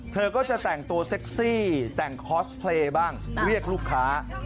เธอก็จะแต่งตัวเซ็กซี่แต่งคอสเพลย์บ้างเรียกลูกค้า